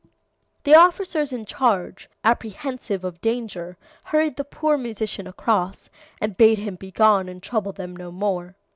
"The officers in charge, apprehensive of danger, hurried the poor musician across, and bade him begone and trouble them no more.